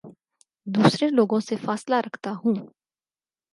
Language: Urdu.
دوسرے لوگوں سے فاصلہ رکھتا ہوں